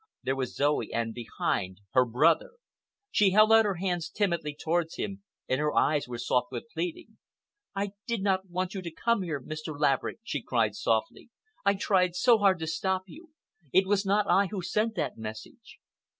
There was Zoe, and, behind, her brother. She held out her hands timidly towards him, and her eyes were soft with pleading. "I did not want you to come here, Mr. Laverick," she cried softly. "I tried so hard to stop you. It was not I who sent that message."